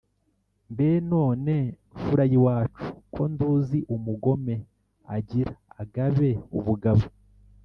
Mbe none mfura y’iwacu Ko nduzi umugome Agira agabe ubugabo